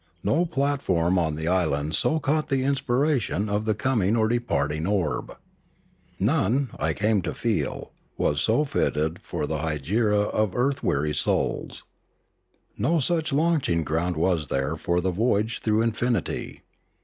No platform on the island so caught the inspiration of the coming or departing orb. None, I came to feel, was so fitted for the hegira of earth weary souls. No such launch ing ground was there for the voyage through infinity.